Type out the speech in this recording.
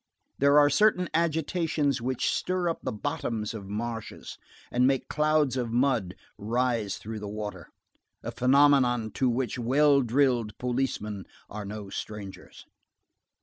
There are certain agitations which stir up the bottoms of marshes and make clouds of mud rise through the water. A phenomenon to which "well drilled" policemen are no strangers.